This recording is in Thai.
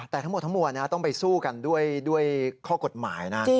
แต่ทั้งหมดทั้งมวลต้องไปสู้กันด้วยข้อกฎหมายนะ